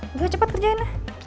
gue cepet kerjain ya